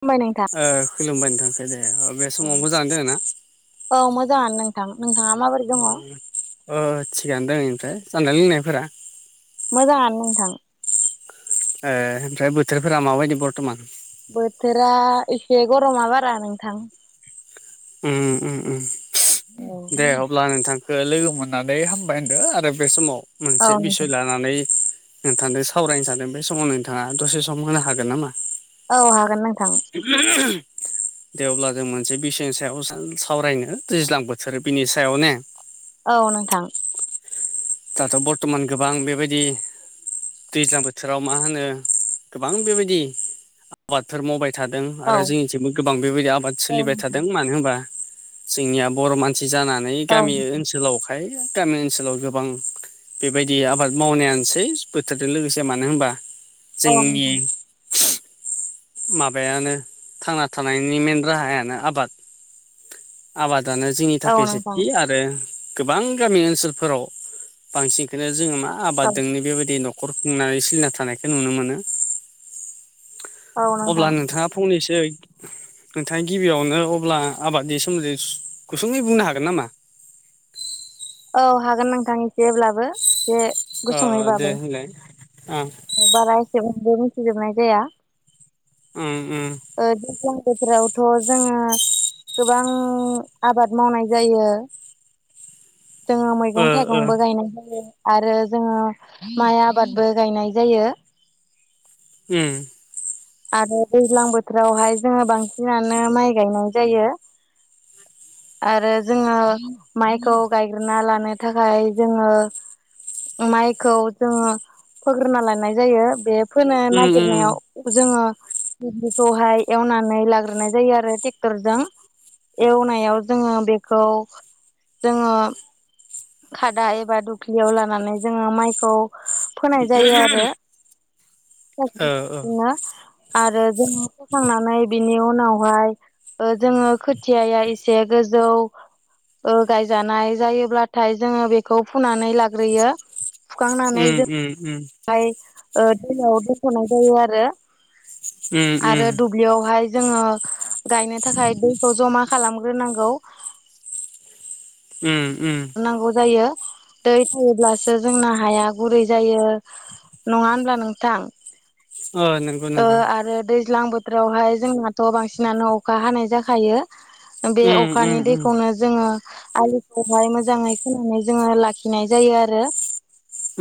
खुलुमबाय नोंथां ओ खुलुमबाय नोंथां। ओ जे बे समाव मोजाङैनो दोङो ना? औ मोजाङानो नोंथां। नोंथाङा माबोरै दङ ओ थिगानो दै ओमफ्राय जानाय लोंनायफोरा मोजांङानो नोंथां ए ओमफ्राय बोथोरफोरा माबायदि बर्थ'मान बोथोरा एसे गरमा बारा नोंथां उम उम उम दे अब्ला नोंथां लोगो मोननानै हामबाय होनदों आरो बे समाव औ मोनसे बिसय नोंथां लानानै नोंथांजों सावरायनो सानदों बे समाव नोंथांङा दसे सम होनो हागोन नामा? औ हागोन नोंथां जेब्ला जों मोनसे बिसेननि सायाव सेन सावरायनो दैज्लां बोथोर बिनि सायाव ने औ नोंथां। दाथ' बरथ'मान गोबां बेबायदि दैज्लां बोथोराव मा होनो गोबां बेबायदि आबादफोर मावबाय थादों। औ आरो जोंनिथिंबो गोबां बेबायदि आबाद औ सोलिबाय नोंथां थादों। मानो होनबा जोंनिया बर' मानसि जानानै औ गामि ओनसोलावखाय गामि ओनसोलाव गोबां बेबायदि आबाद मावनायानोसै बोथोरजों लोगोसे मानो होनबा औ जोंनि नोंथां ह [inaudible] माबायानो थांना थानायनि मेन राहायानो आबाद आबादानो जोंनि औ थाखाय नोंथां सेथि आरो गोबां गामि ओनसोलफोराव बांसिनखोनो जोंङो मा आबाद औ दोंनो बेबायदि न खर खुंनानै सिलिना थानायखौ नुनो मोनो। औ अब्ला नोंथां नोंथांङा फंनैसै नोंथांङा गिबियावनो अब्ला आबादनि सोमोन्दै सु गुसुंङै बुंनो हागोन नामा? औ हागोन नोंथां एसेब्लाबो जे अ अ दे होनलाय आ। अ बारा एसेबांबो मिथिजोबनाय जाया। उम उम ओ दैज्लां बोथोरावथ' जोंङो गोबां आबाद मावनाय जायो। जोंङो ओ मैगं ओ थाइगंबो गायनाय जायो। आरो जोंङो माइ आबादबो गायनाय जायो। उम आरो दैज्लां बोथोरावहाय जोंङो बांसिनानो माइ गायनाय जायो। आरो जोंङो माइखौ गायग्रोना लानो थाखाय जोंङो माइखौ जोंङो फोग्रोना लायानाय जायो बे फोनो उम उम नागिरनायाव जोङो [inaudible] खौहाय एवनानै लाग्रोनाय जायो आरो टेक्टरजों। एवनायाव जोंङो बेखौ जोंङो खादा एबा दुख्लियाव लानानै जोंङो माइखौ फोनाय जायो आरो ओ सारस्रि ओ सारस्रिनो। आरो जोंङो फोखांनानै बिनि उनावहाय ओ जोंङो खोथियाया एस से गोजौ ओ गायजानाय जायोब्लाथाय जोंङो बेखौ फुनानै लाग्रोयो। फुखांनानै उम जों उम उम। हाय ओ दैयाव दोनथ'नाय जायो आरो उम उम आरो दु ब्लियावहाय जोंङो गायनो थाखाय दैखौ जमा खालामग्रोनांगौ। उम उम नांगौ जायो दै थायोब्लासो जोंना हाया गुरै जायो। नंङा होनब्ला नोंथां? ओ नों ओ आरो दैज्लां बोथोरावहाय जोंनाथ' बांसिनानो अखा हानाय जाखायो। बे उम उम अखानि उम दैखौनो जोङो आलिखौहाय मोजाङै खोनानै जोङो लाखिनाय जायो आरो।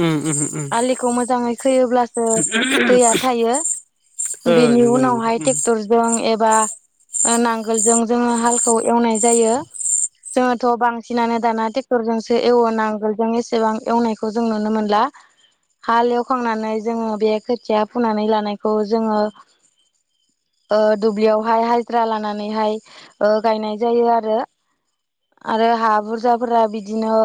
उम उहम। आलिखौ मोजाङै खोयोब्लासो दैया थायो। ओ बिनि नंगौ नंगौ उनावहाय उम टेक्टर जों एबा ओ नांगोलजों जोङो हालखौ एवनाय जायो। जोङोथ' बांसिनानो दाना टेक्टरजोंसो एवो नांगोलजों एसेबां एवनायखौ जों नुनो मोनला। हाल एवखांनानै जोंङो बे खोथिया फुनानै लानायखौ जोंङो ओ दुब्लियावहाय हाजिरा लानानैहाय ओ गायनाय जायो आरो। आरो हा बुरजाफोरा बिदिनो